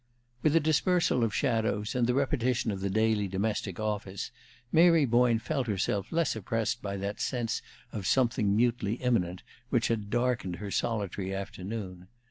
With the dispersal of shadows, and the repetition of the daily domestic office, Mary Boyne felt herself less oppressed by that sense of something mutely imminent which had darkened her solitary afternoon.